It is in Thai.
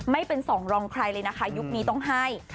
ไม่เป็นสองรองใครเลยนะคะยุคนี้ต้องให้